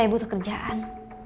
saya butuh kerjaan